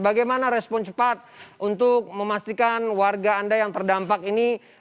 bagaimana respon cepat untuk memastikan warga anda yang terdampak ini